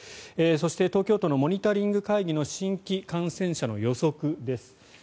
そして東京都のモニタリング会議の新規感染者の予測です。